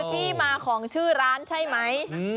ที่มาของชื่อร้านใช่ไหม